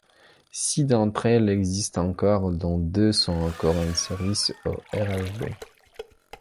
Six d'entre elles existent encore, dont deux sont encore en service aux RhB.